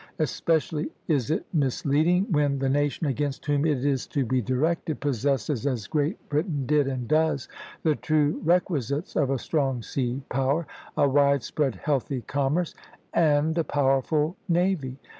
Especially is it misleading when the nation against whom it is to be directed possesses, as Great Britain did and does, the two requisites of a strong sea power, a wide spread healthy commerce and a powerful navy.